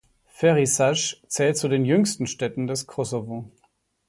Ferizaj zählt zu den jüngsten Städten des Kosovo.